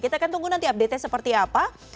kita akan tunggu nanti update nya seperti apa